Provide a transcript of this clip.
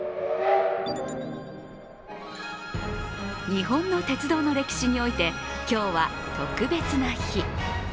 日本の鉄道の歴史において今日は特別な日。